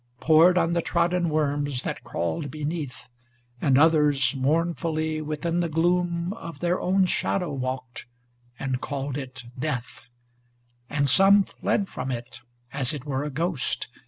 Pored on the trodden worms that crawled beneath; And others mournfully within the gloom Of their own shadow walked, and called it death; And some fled from it as it were a ghost.